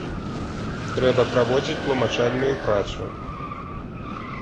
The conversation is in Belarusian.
Трэба праводзіць тлумачальную працу.